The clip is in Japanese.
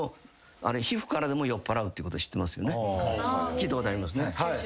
聞いたことありますね。